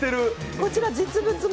こちら実物も。